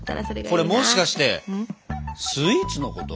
これもしかしてスイーツのこと？